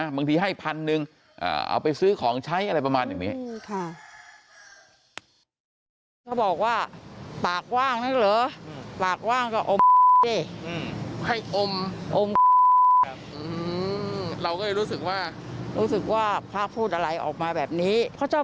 บางทีให้พันหนึ่งเอาไปซื้อของใช้อะไรประมาณอย่างนี้